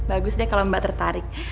bagus deh kalau mbak tertarik